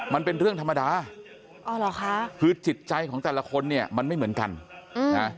มันเป็นเรื่องธรรมดาอ๋อเหรอคะคือจิตใจของแต่ละคนเนี่ยมันไม่เหมือนกันนะ